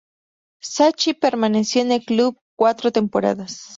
Sacchi permaneció en el club cuatro temporadas.